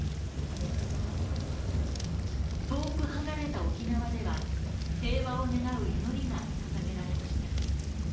遠く離れた沖縄では、平和を願う祈りが捧げられました。